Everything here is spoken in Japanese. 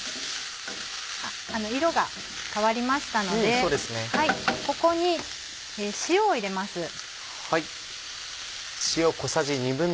色が変わりましたのでここに塩を入れます。